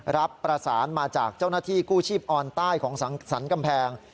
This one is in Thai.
รับประสานมาจากเจ้าหน้าที่กู้ชีพออนใต้ของสรรกำแพง